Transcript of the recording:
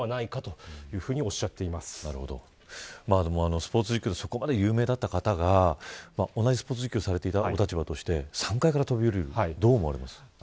スポーツ実況でそこまで有名だった方が同じスポーツ実況されていた立場として、３階から飛び降りるどう思われる。